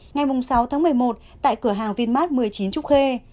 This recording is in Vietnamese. ngày sáu tháng một mươi một tại cửa hàng vinmart một mươi chín trúc khê